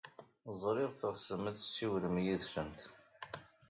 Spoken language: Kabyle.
Ẓriɣ teɣsem ad tessiwlem yid-sent.